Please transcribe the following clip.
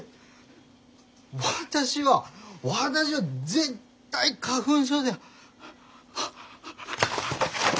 私は私は絶対花粉症では。